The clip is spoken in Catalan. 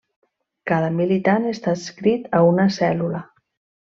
Cada militant està adscrit a una cèl·lula.